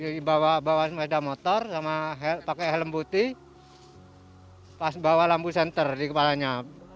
dibawa bawa sepeda motor sama pakai helm putih pas bawa lampu senter di kepalanya